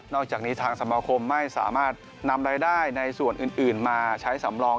อกจากนี้ทางสมาคมไม่สามารถนำรายได้ในส่วนอื่นมาใช้สำรอง